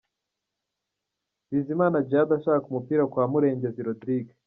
Bizimana Djihad ashaka umupira kwa Murengezi Rodrigue.